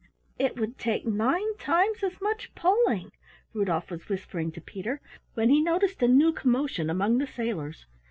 "It would take nine times as much pulling " Rudolf was whispering to Peter, when he noticed a new commotion among the sailors.